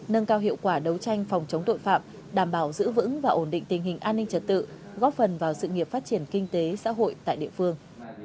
nâng cao hiệu quả đấu tranh phòng chống tội phạm đảm bảo giữ vững và ổn định tình hình an ninh trật tự góp phần vào sự nghiệp phát triển kinh tế xã hội tại địa phương